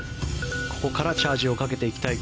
ここからチャージをかけていきたい